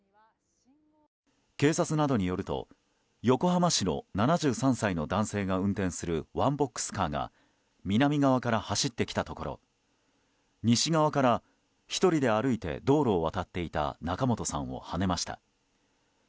警察などによると横浜市の７３歳の男性が運転するワンボックスカーが南側から走ってきたところ西側から１人で歩いて道路を渡っていた仲本さんをはねました。